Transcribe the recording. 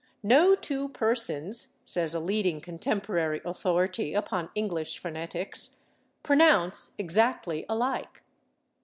"No two persons," says a leading contemporary authority upon English phonetics, "pronounce exactly alike."